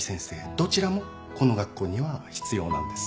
どちらもこの学校には必要なんです。